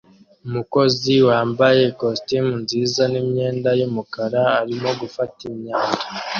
Umukozi wambaye ikositimu nziza n'imyenda y'umukara arimo gufata imyanda